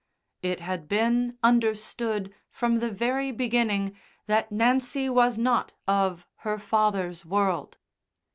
It had been understood from the very beginning that Nancy was not of her father's world.